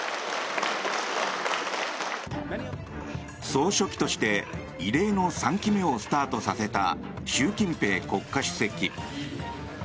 総書記として異例の３期目をスタートさせた習近平国家主席。